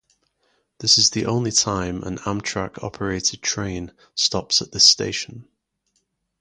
This is the only time an Amtrak operated train stops at this station.